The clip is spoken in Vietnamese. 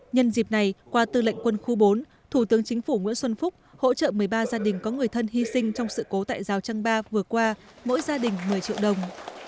nhân dịp này qua tư lệnh quân khu bốn thủ tướng chính phủ nguyễn xuân phúc hỗ trợ một mươi ba gia đình có người thân hy sinh trong sự cố tại giao trang ba vừa qua mỗi gia đình một mươi triệu đồng